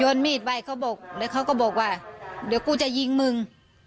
มีดไปเขาบอกแล้วเขาก็บอกว่าเดี๋ยวกูจะยิงมึง